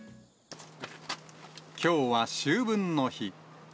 きょうは秋分の日。